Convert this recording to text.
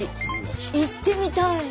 行ってみたい。